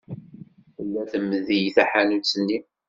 Tella temdel tḥanut-nni.